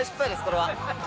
これは。